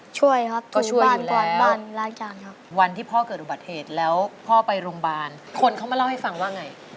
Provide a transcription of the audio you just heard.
ช่วยครับก็ช่วยบ้านครับวันที่พ่อเกิดอุบัติเหตุแล้วพ่อไปโรงพยาบาลคนเขามาเล่าให้ฟังว่าไง